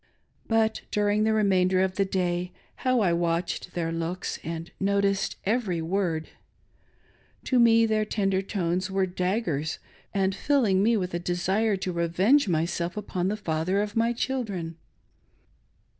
But during the remainder of the day how I watched their looks and noticed every word ! To me their tender tones were daggers, piercing my heart and filling me with a desire to revenge myself upon the father of my children.